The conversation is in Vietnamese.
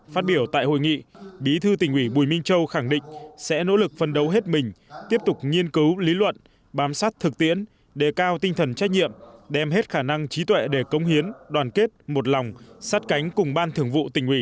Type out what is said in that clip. phát biểu tại hội nghị bí thư tỉnh ủy bùi minh châu khẳng định sẽ nỗ lực phân đấu hết mình tiếp tục nghiên cứu lý luận bám sát thực tiễn đề cao tinh thần trách nhiệm đem hết khả năng trí tuệ để công hiến đoàn kết một lòng sát cánh cùng ban thường vụ tỉnh ủy